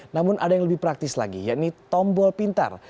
namun ada yang lebih praktis lagi yakni tombol pintar